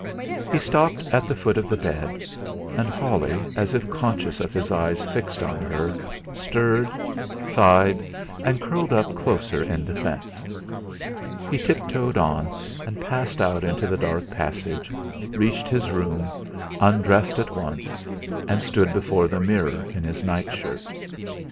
He stopped at the foot of the bed; and Holly, as if conscious of his eyes fixed on her, stirred, sighed, and curled up closer in defence. He tiptoed on and passed out into the dark passage; reached his room, undressed at once, and stood before a mirror in his night shirt.